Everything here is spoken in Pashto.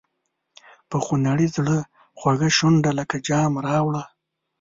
په خونړي زړه خوږه شونډه لکه جام راوړه.